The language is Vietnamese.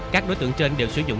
các đối tượng trên đều sử dụng